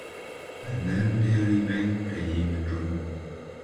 An elderly man playing a drum.